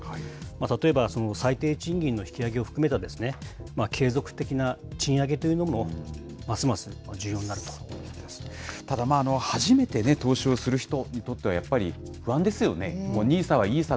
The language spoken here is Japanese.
例えば最低賃金の引き上げを含めた、継続的な賃上げというのも、ただ、初めて投資をする人にとっては、やっぱり不安ですよね。